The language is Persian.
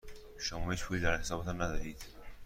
شما هیچ پولی در حسابتان ندارید.